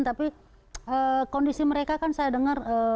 tapi kondisi mereka kan saya dengar